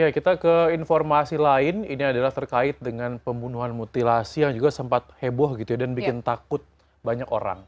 kita ke informasi lain ini adalah terkait dengan pembunuhan mutilasi yang juga sempat heboh gitu ya dan bikin takut banyak orang